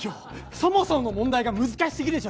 そもそも問題が難しすぎでしょ。